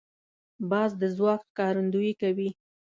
باز د ځواک ښکارندویي کوي